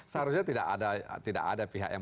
seharusnya tidak ada tidak ada pihak yang